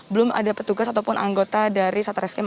belum ada petugas ataupun anggota dari satreskrim